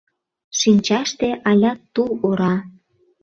Шинчаште — алят тул ора...